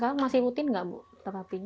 kalau tidak terapi